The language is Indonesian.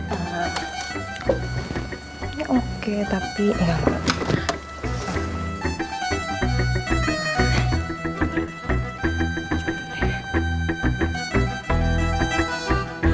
ini oke tapi enggak bagus